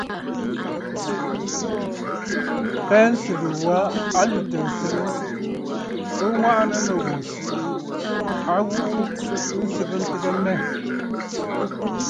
Pensə̀lə̀ wa a lwìtə̀ ǹsɨgə, bɨ ŋwàʼànə̀ nɨ ghu siʼi a ghuʼu nsɨgə ntɨgə mmɛ.